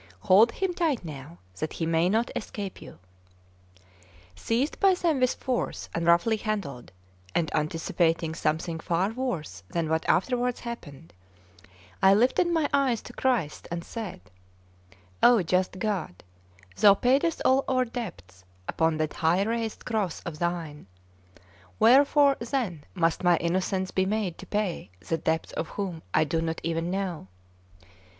Hold him tight now, that he may not escape you." Seized by them with force and roughly handled, and anticipating something far worse than what afterwards happened, I lifted my eyes to Christ and said: "Oh, just God, Thou paidest all our debts upon that high raised cross of Thine; wherefore then must my innocence be made to pay the debts of whom I do not even know?